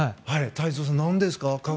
太蔵さん、何でですか？